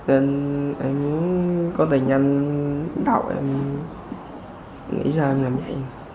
em muốn có tài nhanh đạo em nghĩ sao em làm vậy